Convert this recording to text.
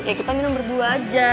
ya kita minum berdua aja